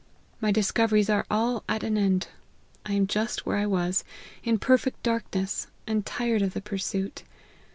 My discoveries are all at an end. I am just where I was ; in perfect darkness, and tired of the pursuit.